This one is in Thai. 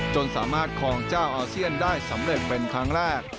จนสามารถคลองเจ้าอาเซียนได้สำเร็จเป็นครั้งแรก